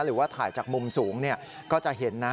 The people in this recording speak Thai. หรือว่าถ่ายจากมุมสูงก็จะเห็นนะ